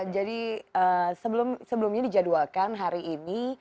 jadi sebelumnya dijadualkan hari ini